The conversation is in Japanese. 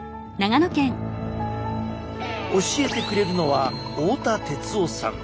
教えてくれるのは太田哲雄さん。